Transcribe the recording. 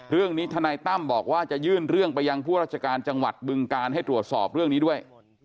ทนายตั้มบอกว่าจะยื่นเรื่องไปยังผู้ราชการจังหวัดบึงการให้ตรวจสอบเรื่องนี้ด้วย